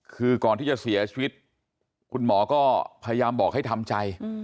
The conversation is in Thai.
คือก่อนที่จะเสียชีวิตคุณหมอก็พยายามบอกให้ทำใจ